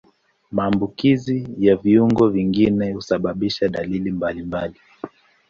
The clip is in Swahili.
Maambukizi ya viungo vingine husababisha dalili mbalimbali.